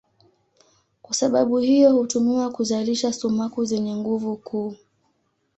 Kwa sababu hiyo hutumiwa kuzalisha sumaku zenye nguvu kuu.